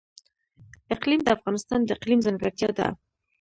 اقلیم د افغانستان د اقلیم ځانګړتیا ده.